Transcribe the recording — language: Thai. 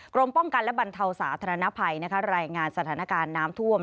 กรมป้องกันและบรรเทาสาธารณภัยรายงานสถานการณ์น้ำท่วม